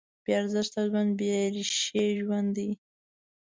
بېارزښته ژوند بېریښې ژوند دی.